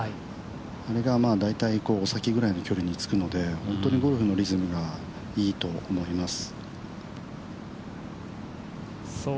あれが大体先ぐらいの距離につくので、本当にゴルフのリズムがいいと思います。